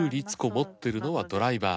持ってるのはドライバー。